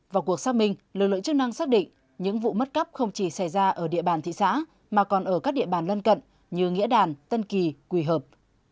vào cuộc xác minh lực lượng chức năng xác định những vụ mất cắp không chỉ xảy ra ở địa bàn thị xã mà còn ở các địa bàn lân cận như nghĩa đàn tân kỳ quỳ hợp